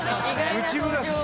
内村さん！